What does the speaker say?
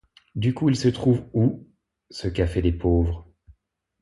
Du coup il se trouve où, ce Café des Pauvres ?